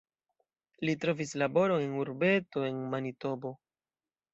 Li trovis laboron en urbeto en Manitobo.